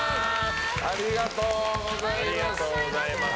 ありがとうございます。